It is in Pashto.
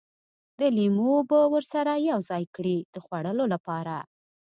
د لیمو اوبه ورسره یوځای کړي د خوړلو لپاره.